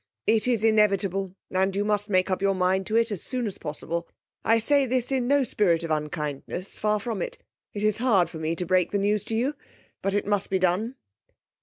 It is inevitable, and you must make up your mind to it as soon as possible. I say this in no spirit of unkindness; far from it. It is hard to me to break the news to you, but it must be done.